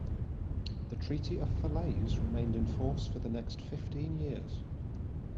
The Treaty of Falaise remained in force for the next fifteen years.